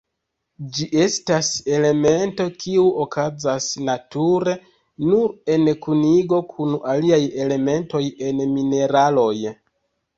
Ĝi estas elemento kiu okazas nature nur en kunigo kun aliaj elementoj en mineraloj.